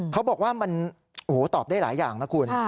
เขาบอกว่ามันตอบได้หลายอย่างนะคุณ